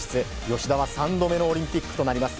吉田は３度目のオリンピックとなります。